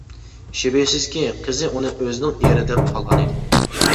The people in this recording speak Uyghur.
شۈبھىسىزكى، قىزى ئۇنى ئۆزىنىڭ ئېرى دەپ قالغانىدى.